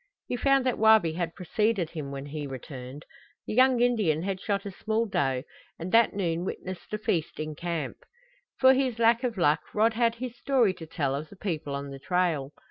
He found that Wabi had preceded him when he returned. The young Indian had shot a small doe, and that noon witnessed a feast in camp. For his lack of luck Rod had his story to tell of the people on the trail.